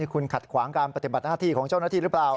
คุณขัดขวางการปฏิบัติหน้าที่ของเจ้าหน้าที่หรือเปล่า